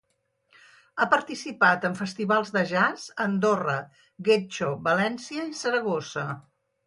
Ha participat en festivals de jazz a Andorra, Getxo, València i Saragossa.